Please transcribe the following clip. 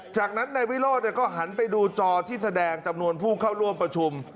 จากนั้นนายวิโรธก็หันไปดูจอที่แสดงจำนวนผู้เข้าร่วมประชุม